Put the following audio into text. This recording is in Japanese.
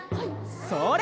それ！